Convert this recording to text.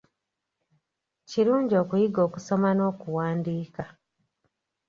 Kirungi okuyiga okusoma n’okuwandiika.